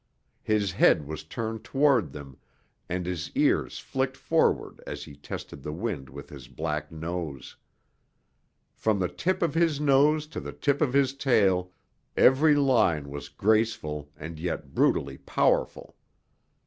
His head was turned toward them and his ears flicked forward as he tested the wind with his black nose. From the tip of his nose to the tip of his tail, every line was graceful and yet brutally powerful.